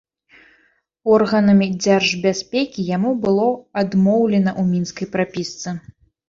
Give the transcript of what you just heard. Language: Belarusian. Органамі дзяржбяспекі яму было адмоўлена ў мінскай прапісцы.